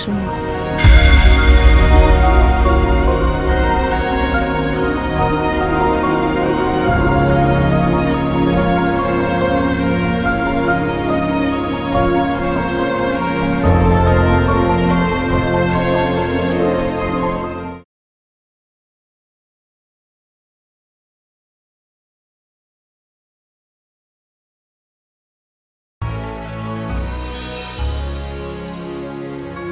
saya membutuhkan si itu